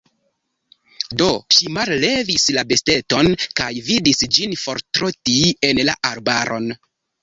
Do ŝi mallevis la besteton, kaj vidis ĝin fortroti en la arbaron.